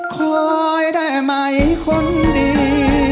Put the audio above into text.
คอยได้ไหมคนดี